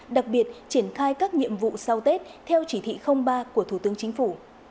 đặc biệt triển khai các nhiệm vụ sau tết theo chỉ thị ba của thủ tướng chính phủ